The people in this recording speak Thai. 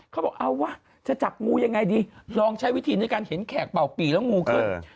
เขาบอกเอาวะจะจับงูยังไงดีลองใช้วิธีในการเห็นแขกเป่าปีแล้วงูขึ้น